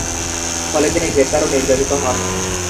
ফলে তিনি গ্রেপ্তার ও নির্যাতিত হন।